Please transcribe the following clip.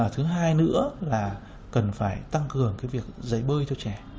thứ hai nữa là cần phải tăng cường cái việc dạy bơi cho trẻ